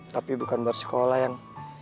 tapi bukan buat sekolah yang